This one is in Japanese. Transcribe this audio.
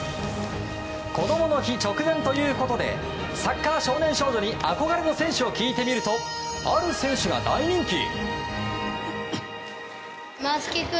こどもの日直前ということでサッカー少年少女に憧れの選手を聞いてみるとある選手が大人気。